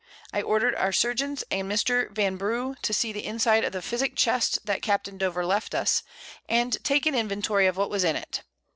I order'd our Surgeons and Mr. Vanbrugh to see the Inside of the Physick Chest that Capt. Dover left us, and take an Inventory of what was in it.